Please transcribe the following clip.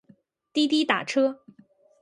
滴滴打车